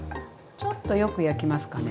ちょっとよく焼きますかね。